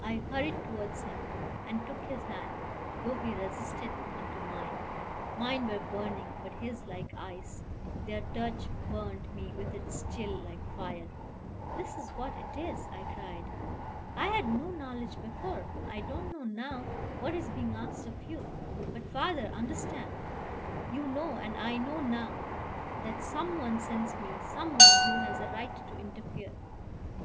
I hurried towards him, and took his hand, though he resisted, into mine. Mine were burning, but his like ice: their touch burnt me with its chill, like fire. "This is what it is?" I cried. "I had no knowledge before. I don't know now what is being asked of you. But, father, understand! You know, and I know now, that some one sends me, some one who has a right to interfere."